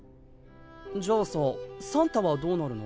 じゃあさ「サンタ」はどうなるの？